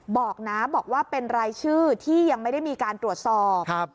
บอกนะบอกว่าเป็นรายชื่อที่ยังไม่ได้มีการตรวจสอบ